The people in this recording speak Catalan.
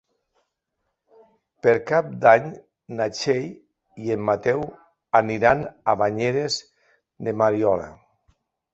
Per Cap d'Any na Txell i en Mateu aniran a Banyeres de Mariola.